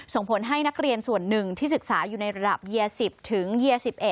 ส่งผลให้นักเรียนส่วนหนึ่งที่ศึกษาอยู่ในระดับเยีย๑๐ถึงเยีย๑๑